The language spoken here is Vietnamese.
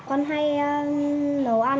con hay nấu ăn